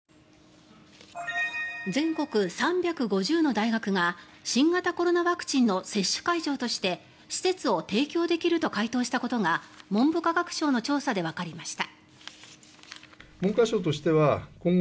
全国３５０の大学が新型コロナワクチンの接種会場として施設を提供できると回答したことが文部科学省の調査でわかりました。